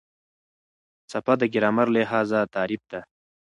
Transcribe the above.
څپه د ګرامر لحاظه تعریف ده.